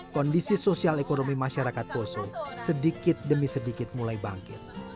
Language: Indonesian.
kondisi sosial ekonomi masyarakat poso sedikit demi sedikit mulai bangkit